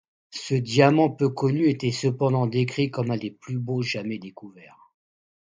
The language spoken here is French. Ce diamant peu connu était cependant décrit comme un des plus beaux jamais découverts.